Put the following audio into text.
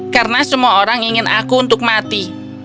karena semua orang ingin aku untuk mati